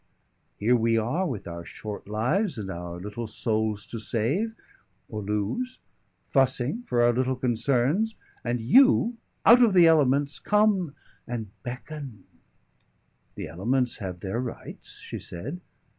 Here we are, with our short lives and our little souls to save, or lose, fussing for our little concerns. And you, out of the elements, come and beckon " "The elements have their rights," she said.